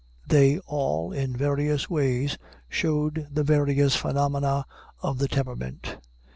They all, in various ways, showed the various phenomena of the temperament.